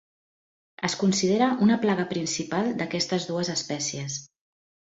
Es considera una plaga principal d'aquestes dues espècies.